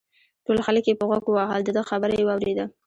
ټول خلک یې په غوږ ووهل دده خبره یې واورېده.